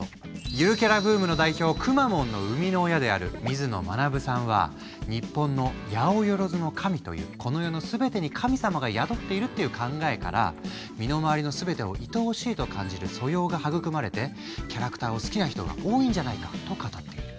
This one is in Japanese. ゆるキャラブームの代表くまモンの生みの親である水野学さんは日本の八百万の神というこの世の全てに神様が宿っているっていう考えから「身の回りのすべてをいとおしい」と感じる素養が育まれてキャラクターを好きな人が多いんじゃないかと語っている。